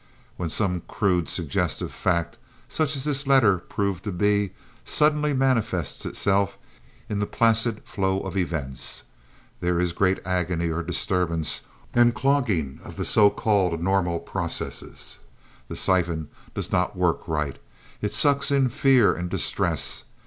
When some crude, suggestive fact, such as this letter proved to be, suddenly manifests itself in the placid flow of events, there is great agony or disturbance and clogging of the so called normal processes. The siphon does not work right. It sucks in fear and distress.